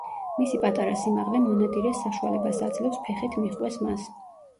მისი პატარა სიმაღლე მონადირეს საშუალებას აძლევს ფეხით მიჰყვეს მას.